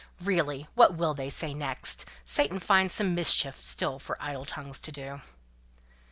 "Really what will they say next? 'Satan finds some mischief still for idle tongues to do.'"